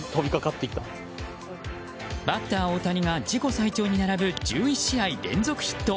バッター、大谷が自己最長に並ぶ１１試合連続ヒット。